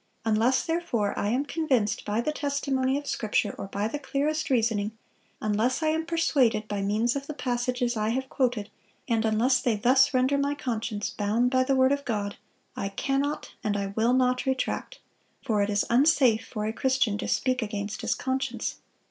Unless therefore I am convinced by the testimony of Scripture or by the clearest reasoning, unless I am persuaded by means of the passages I have quoted, and unless they thus render my conscience bound by the word of God, I cannot and I will not retract, for it is unsafe for a Christian to speak against his conscience.